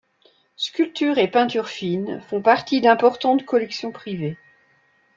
Sculptures et peintures fines, font partie d'importantes collections privées.